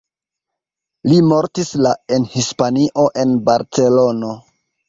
Li mortis la en Hispanio en Barcelono.